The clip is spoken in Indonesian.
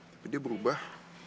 tapi dia berubah